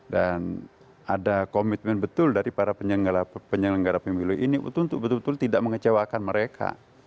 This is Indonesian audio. dan ada komitmen betul dari para penyelenggara pemilu ini untuk betul betul tidak mengecewakan mereka